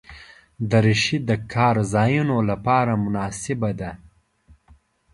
دریشي د کار ځایونو لپاره مناسبه ده.